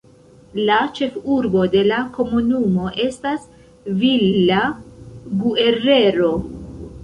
La ĉefurbo de la komunumo estas Villa Guerrero.